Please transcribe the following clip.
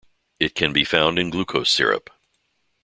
It can be found in glucose syrup.